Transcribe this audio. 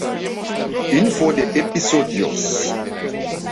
Info de episodios